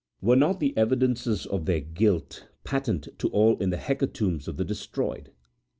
Were not the evidences of their guilt patent to all in the hecatombs of the destroyed?